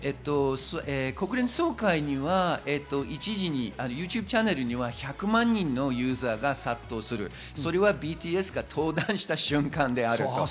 国連総会には一時、ＹｏｕＴｕｂｅチャンネルには１００万人のユーザーが殺到する、それはＢＴＳが登壇した瞬間である。